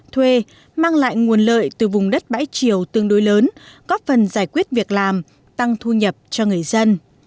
thuê mang lại nguồn lợi từ vùng đất bãi triều tương đối lớn góp phần giải quyết việc làm tăng thu nhập cho người dân